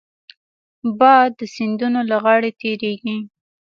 باد د سیندونو له غاړې تېرېږي